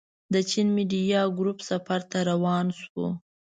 د چين ميډيا ګروپ سفر ته روان شوو.